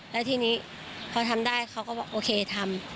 แล้วทีนี้พอทำได้เขาก็บอกโอเคทำ